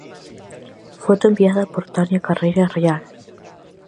Foto enviada por Tania Carreira Rial.